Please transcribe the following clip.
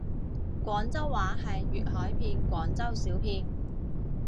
廣州話係粵海片廣州小片